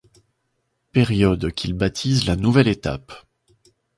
Période qu’il baptise la Nouvelle Étape.